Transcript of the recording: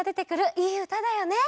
いいうただよね。